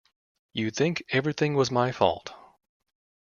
You'd think everything was my fault.